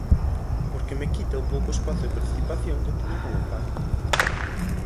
"Porque me quita o pouco espazo de participación que tiña como pai".